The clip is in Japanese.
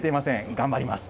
頑張ります。